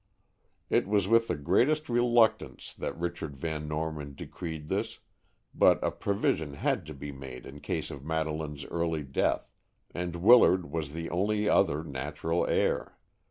It was with the greatest reluctance that Richard Van Norman decreed this, but a provision had to be made in case of Madeleine's early death, and Willard was the only other natural heir.